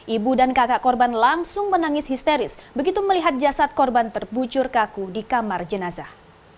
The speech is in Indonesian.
ibu dan kakak korban langsung menangis histeris begitu melihat jasad korban terbujur kaku di kamar jenazah